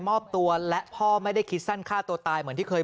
มอบตัวและพ่อไม่ได้คิดสั้นฆ่าตัวตายเหมือนที่เคย